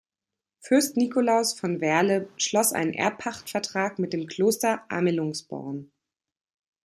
Fürst Nikolaus von Werle schloss einen Erbpachtvertrag mit dem Kloster Amelungsborn.